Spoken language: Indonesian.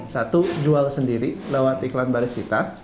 satu jual sendiri lewat iklan baris kita